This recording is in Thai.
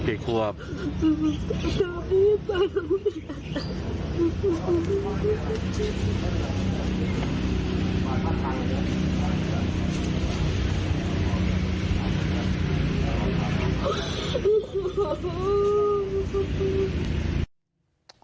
ตัวนี้ตัวนี้